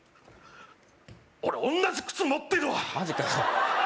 俺同じ靴持ってるわマジかよ